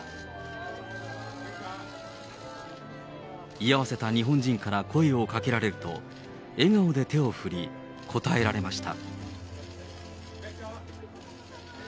居合わせた日本人から声をかけられると、笑顔で手を振り、応えられました。